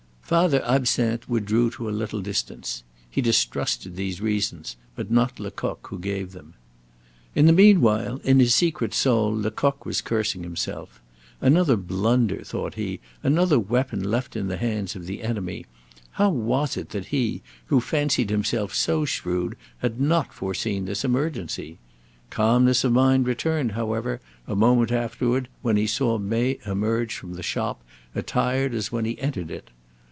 Father Absinthe withdrew to a little distance. He distrusted these reasons, but not Lecoq who gave them. In the mean while, in his secret soul, Lecoq was cursing himself. Another blunder, thought he, another weapon left in the hands of the enemy. How was it that he, who fancied himself so shrewd, had not foreseen this emergency? Calmness of mind returned, however, a moment afterward when he saw May emerge from the shop attired as when he entered it.